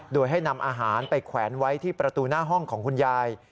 โดยให้นำอาหารไปแขวนไว้ที่ประตูหน้าห้องของคุณยาย